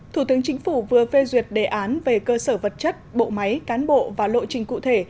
thủ tướng chính phủ vừa phê duyệt đề án về cơ sở vật chất bộ máy cán bộ và lộ trình cụ thể